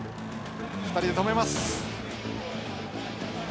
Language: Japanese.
２人で止めます。